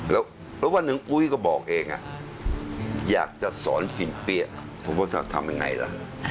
เพราะว่าหนึ่งอุ้ยก็บอกเองอยากจะสอนปินเปี้ยผมว่าจะทำยังไงล่ะ